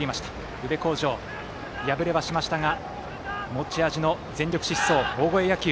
宇部鴻城、敗れはしましたが持ち味の全力疾走、大声野球。